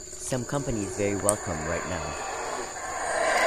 Some company is very welcome right now.